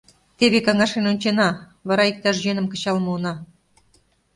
Теве каҥашен ончена, вара иктаж йӧным кычал муына.